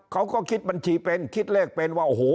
เขาก็คิดบัญชีเป็นคิดเลขเป็นว่าโอ้โห